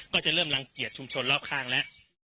ก็จะเริ่มรังเกียจชุมชนรอบข้างแล้ว